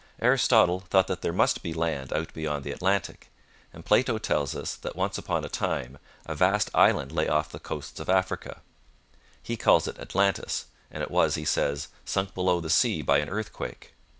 Aristotle thought that there must be land out beyond the Atlantic, and Plato tells us that once upon a time a vast island lay off the coasts of Africa; he calls it Atlantis, and it was, he says, sunk below the sea by an earthquake.